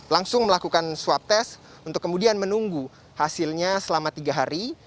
langsung melakukan swab test untuk kemudian menunggu hasilnya selama tiga hari